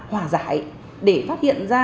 hòa giải để phát hiện ra